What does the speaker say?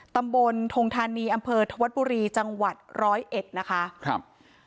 ตำบลทงธานีอำเภอธวัดบุรีจังหวัดร้อยเอ็ดนะคะครับ